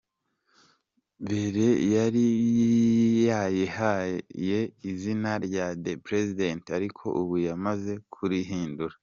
Bere yari yayihaye izina rya "The President" ariko ubu yamaze kurihindura.